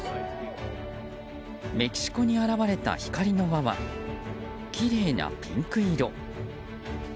メキシコに現れた光の輪はきれいなピンク色。